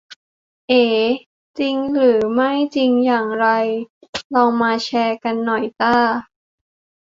เอ๋ ! ? จริงไม่จริงอย่างไร ลองมาแชร์กันหน่อยจ้า